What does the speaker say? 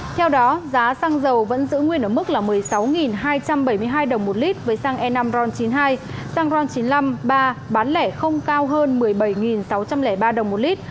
theo đó giá xăng dầu vẫn giữ nguyên ở mức một mươi sáu hai trăm bảy mươi hai đồng một lít với xăng e năm ron chín mươi hai xăng ron chín mươi năm ba bán lẻ không cao hơn một mươi bảy sáu trăm linh ba đồng một lít